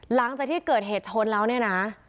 หลังจากที่เกิดเหตุชนแล้วเนี่ยนะ